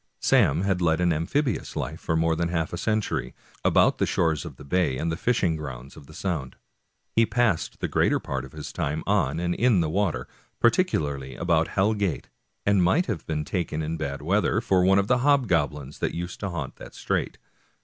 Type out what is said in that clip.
Sam had led an amphibious life for more than half a century, about the shores of the bay and the fishing grounds of the Sound. He passed the greater part of his time on and in the water, particularly about Hell Gate, and might have been taken, in bad weather, for one of the hobgoblins that used to haunt that strait.